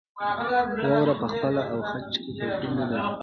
واوره په څپه او خج کې توپیر نه لري.